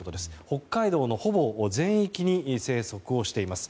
北海道のほぼ全域に生息をしています。